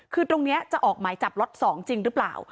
คือตรงนี้จะออกหมายจับล็อต๒จริงหรือเปล่า